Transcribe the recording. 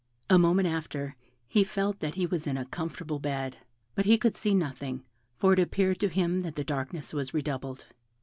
A moment after he felt that he was in a comfortable bed; but he could see nothing, for it appeared to him that the darkness was redoubled.